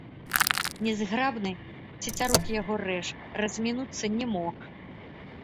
Нязграбны, цецярук яго рэж, размінуцца не мог.